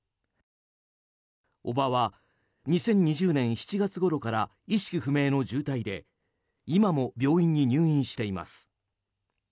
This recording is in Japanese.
叔母は、２０２０年７月ごろから意識不明の重体で今も病院に入院しています。